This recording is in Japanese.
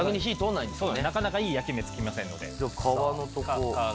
なかなかいい焼き目つきませんので。